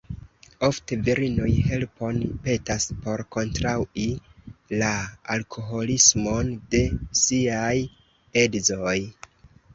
Ofte virinoj helpon petas por kontraŭi la alkoholismon de siaj edzoj.